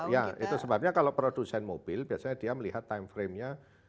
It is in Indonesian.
ya itu sebabnya kalau produsen mobil biasanya dia melihat time frame nya